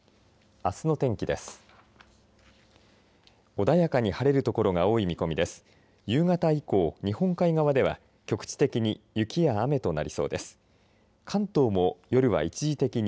あすの天気です。